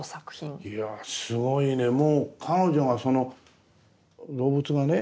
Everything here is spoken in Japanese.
いやすごいねもう彼女がその動物がね